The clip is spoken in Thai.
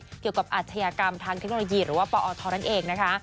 เกี่ยวกับอาชญากรรมทางเทคโนโลยีหรือว่าปอทนั่นเองนะคะ